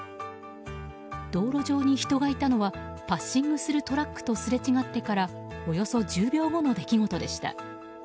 道路上に人がいたのはパッシングするトラックとすれ違ってからおよそ１０秒後の出来事でした。